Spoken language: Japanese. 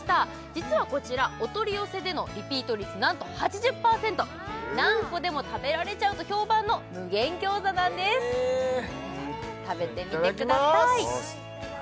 実はこちらお取り寄せでのリピート率なんと８０％何個でも食べられちゃうと評判の無限餃子なんです食べてみてくださいいただきます！